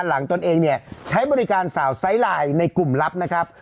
ตนเองเนี่ยใช้บริการสาวไซส์ไลน์ในกลุ่มลับนะครับ